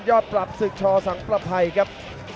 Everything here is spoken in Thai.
ปรับศึกชอสังประภัยครับ